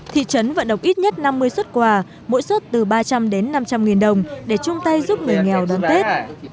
thị trấn vận động ít nhất năm mươi xuất quà mỗi xuất từ ba trăm linh đến năm trăm linh nghìn đồng để chung tay giúp người nghèo đón tết